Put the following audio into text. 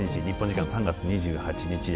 日本時間の３月２８日